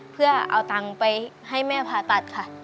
เพื่อเอาตังค์ไปให้แม่ผ่าตัดค่ะ